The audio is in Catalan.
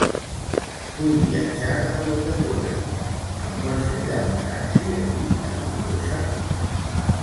Vull viatjar cap a Ulldecona; em pots cridar un taxi aquí a Tortosa?